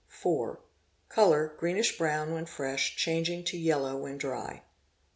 4. Colour greenish brown when fresh, changing to yellow when dry. 5.